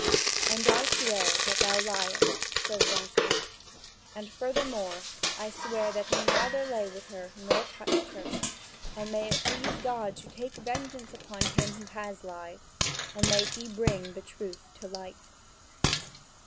"And I swear that thou liest," says Lancelot, "and furthermore I swear that he neither lay with her nor touched her. And may it please God to take vengeance upon him who has lied, and may He bring the truth to light!